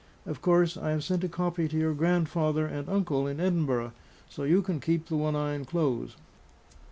Of course I have sent a copy to your grandfather and uncle in Edinburgh; so you can keep the one I enclose.